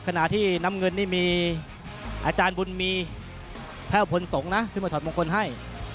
ขณะที่น้ำเงินนี่มีอาจารย์บุญมีแพ่วพลสงฆ์นะขึ้นมาถอดมงคลให้